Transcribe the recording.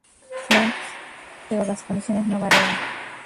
Louis, pero las condiciones no variaron.